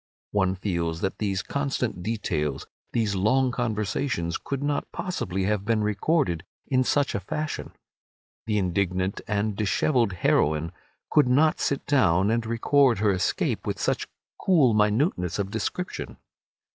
One feels that these constant details, these long conversations, could not possibly have been recorded in such a fashion. The indignant and dishevelled heroine could not sit down and record her escape with such cool minuteness of description.